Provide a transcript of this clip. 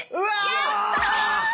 やった！